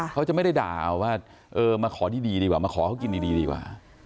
เขาจะไม่ได้ด่าว่ามาขอดีดีกว่ามาขอเขากินดีดีกว่า